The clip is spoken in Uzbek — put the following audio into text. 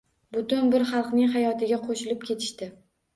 Butun bir xalqning hayotiga qo‘shilib ketishdi.